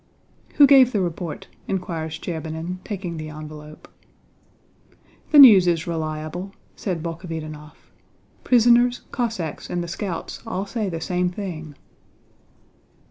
"Who gave the report?" inquired Shcherbínin, taking the envelope. "The news is reliable," said Bolkhovítinov. "Prisoners, Cossacks, and the scouts all say the same thing."